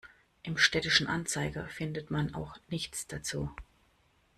Im Städtischen Anzeiger findet man auch nichts dazu.